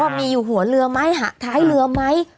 มีอยู่หัวเรือไหมท้ายเรือไหม